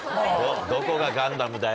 どこが『ガンダム』だよ。